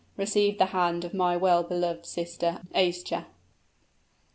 receive the hand of my well beloved sister Aischa!"